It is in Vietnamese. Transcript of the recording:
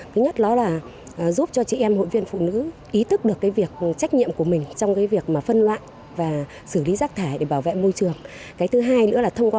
cái nhất đó là giúp cho chị em hội viên phụ nữ ý thức được cái việc trách nhiệm của mình trong cái việc mà phân loạn và xử lý rác thải để bảo vệ môi trường